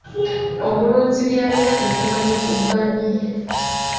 Omulunzi by’alina okumanya ku bbanyi